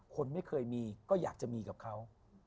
คนไม่เคยมีก็อยากจะมีกับเขา